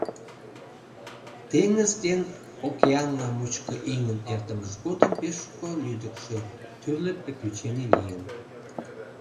Теҥыз ден океанла мучко ийын эртымыж годым пеш шуко лӱдыкшӧ, тӱрлӧ приключений лийын.